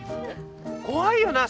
怖いよな